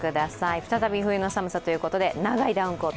再び冬の寒さということで、長いダウンコート。